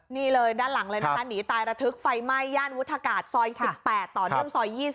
นี่เลยด้านหลังเลยนะคะหนีตายระทึกไฟไหม้ย่านวุฒากาศซอย๑๘ต่อเนื่องซอย๒๐